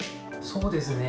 そうですね。